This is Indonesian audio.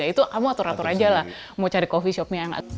ya itu kamu atur atur aja lah mau cari coffee shopnya